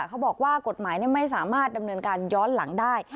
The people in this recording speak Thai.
เขาบอกว่ากฎหมายไม่สามารถดำเนินการย้อนหลังได้